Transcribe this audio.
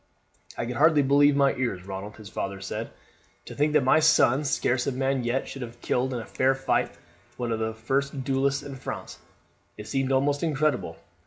"I could hardly believe my ears, Ronald," his father said; "to think that my son, scarce a man yet, should have killed in fair fight one of the first duellists in France. It seemed almost incredible.